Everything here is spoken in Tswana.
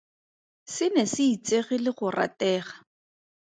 Se ne se itsege le go ratega.